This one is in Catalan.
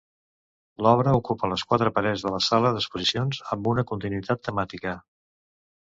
L'obra ocupa les quatre parets de la sala d'exposicions amb una continuïtat temàtica.